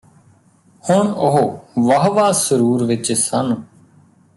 ਹੁਣ ਉਹ ਵਾਹਵਾ ਸਰੂਰ ਵਿਚ ਸਨ